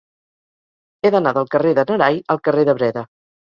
He d'anar del carrer de n'Arai al carrer de Breda.